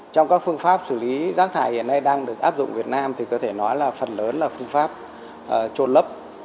trong các phương pháp xử lý rác thải hiện nay đang được áp dụng việt nam thì có thể nói là phần lớn là phương pháp trôn lấp